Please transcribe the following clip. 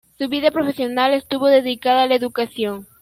Su vida profesional estuvo dedicada a la educación.